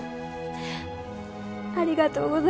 ありがとう。